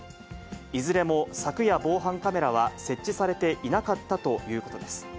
いずれも柵や防犯カメラは設置されていなかったということです。